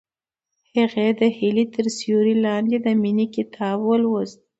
هغې د هیلې تر سیوري لاندې د مینې کتاب ولوست.